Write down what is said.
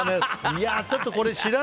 いや、ちょっとこれ。